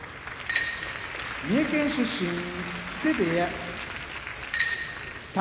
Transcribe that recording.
三重県出身木瀬部屋宝